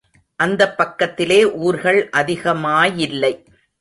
அந்தப் பக்கத்திலே ஊர்கள் அதிகமாயில்லை.